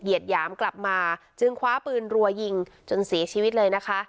หยามกลับมาจึงคว้าปืนรัวยิงจนเสียชีวิตเลยนะคะ